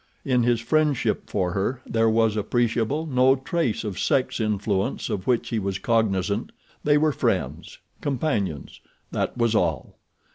In his friendship for her there was appreciable no trace of sex influence of which he was cognizant. They were friends—companions—that was all.